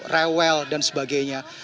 rewel dan sebagainya